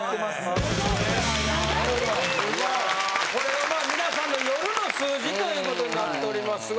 わぁこれはまあ皆さんの夜の数字ということになっておりますが。